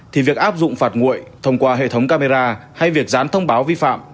thì việc áp dụng phạt nguội thông qua hệ thống camera hay việc dán thông báo vi phạm